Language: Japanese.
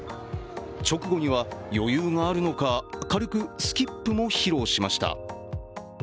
直後には、余裕があるのか軽くスキップも披露しました。